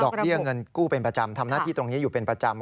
เบี้ยเงินกู้เป็นประจำทำหน้าที่ตรงนี้อยู่เป็นประจำ